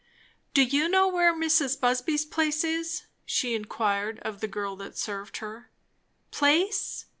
"Do you know where Mrs. Busby's place is?" she inquired of the girl that served her. "Place?